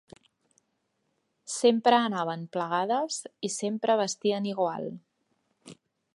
Sempre anaven plegades, i sempre vestien igual